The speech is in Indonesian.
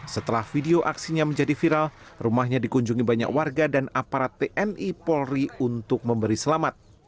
setelah video aksinya menjadi viral rumahnya dikunjungi banyak warga dan aparat tni polri untuk memberi selamat